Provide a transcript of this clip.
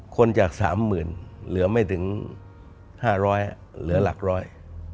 คนจาก๓๐๐๐๐เหลือไม่ถึง๕๐๐อะเหลือหลักร้อย